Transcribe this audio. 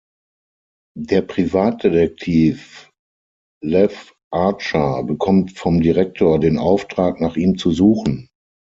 Der Privatdetektiv Lew Archer bekommt vom Direktor den Auftrag, nach ihm zu suchen.